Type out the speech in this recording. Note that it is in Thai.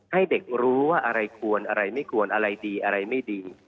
ให้เด็กรู้ว่าอะไรควรอะไรไม่ควรอะไรดีอะไรไม่ดี